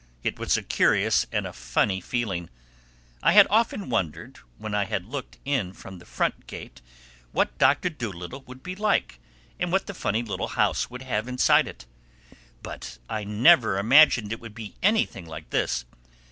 It was a curious and a funny feeling. I had often wondered, when I had looked in from the front gate, what Doctor Dolittle would be like and what the funny little house would have inside it. But I never imagined it would be anything like this.